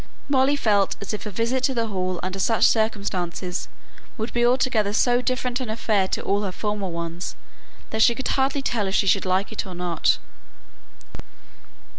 Molly felt as if a visit to the Hall under such circumstances would be altogether so different an affair to all her former ones, that she could hardly tell if she should like it or not.